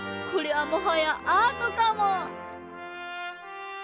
これはもはやアートかも。